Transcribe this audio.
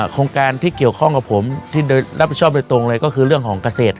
โครงการที่เกี่ยวข้องกับผมที่รับผิดชอบโดยตรงเลยก็คือเรื่องของเกษตร